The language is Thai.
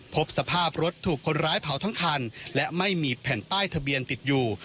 พบสภาพรถถูกคนร้ายเผาทั้งคันและไม่มีแผ่นป้ายทะเบียนติดอยู่